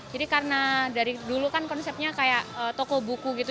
jadi karena dari dulu kan konsepnya kayak toko buku gitu